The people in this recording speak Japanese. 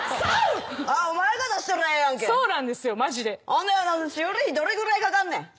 ほんで修理費どれぐらいかかんねん。